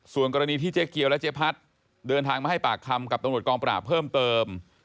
ส่วนกรณีที่เจ๊เกียวและเจ๊พัดเดินทางมาให้ปากคำกับตำรวจกองปราบเพิ่มเติม